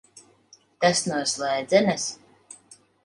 Tas no slēdzenes?